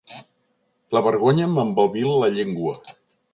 La vergonya m'embalbí la llengua.